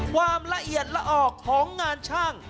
ความละเอียดละออกของงานช่าง